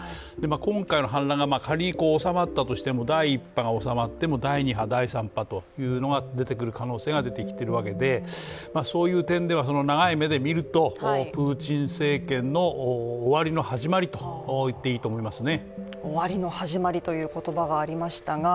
今回の反乱が仮に収まったとしても第１波が収まっても第２波、第３波というのが出てくる可能性が出ているわけでそういう点では長い目で見るとプーチン政権の終わりの始まりと言っていいと思いますね。